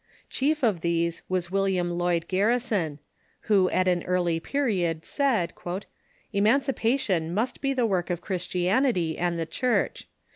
Chief of these was William Lloyd Garrison, wlio at an early period said :" Eman cipation must be the work of Christianity and tlie Church.